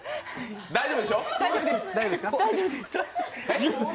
大丈夫でしょ？